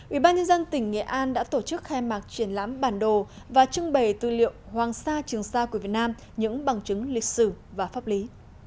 ủy ban nhân dân tỉnh nghệ an đã tổ chức khai mạc triển lãm bản đồ và trưng bày tư liệu hoàng sa trường sa của việt nam những bằng chứng lịch sử và pháp lý